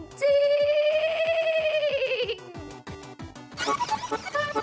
ขอบคุณขอบคุณแล้วนะชิคกี้พาย